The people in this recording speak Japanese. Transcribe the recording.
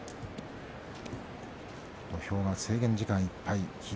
土俵は制限時間いっぱいです。